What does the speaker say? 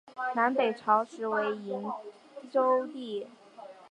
南北朝时为营州地。